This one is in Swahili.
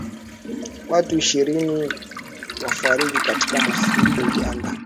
Watu ishirini wafariki katika mafuriko Uganda